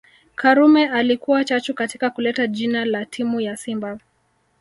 Karume alikuwa chachu katika kuleta jina la timu ya simba